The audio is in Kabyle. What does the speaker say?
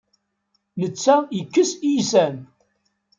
Netta ikess iysan.